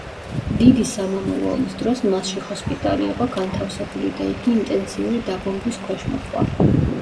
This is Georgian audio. დიდი სამამულო ომის დროს მასში ჰოსპიტალი იყო განთავსებული და იგი ინტენსიური დაბომბვის ქვეშ მოჰყვა.